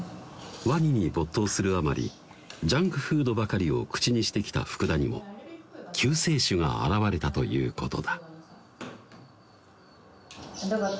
ワニに没頭するあまりジャンクフードばかりを口にしてきた福田にも救世主が現れたということだだから